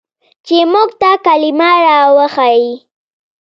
چې موږ ته کلمه راوښييه.